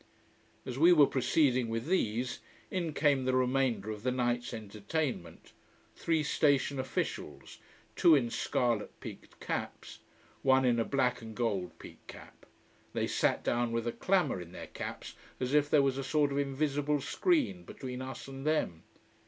As we were proceeding with these, in came the remainder of the night's entertainment: three station officials, two in scarlet peaked caps, one in a black and gold peaked cap. They sat down with a clamour, in their caps, as if there was a sort of invisible screen between us and them.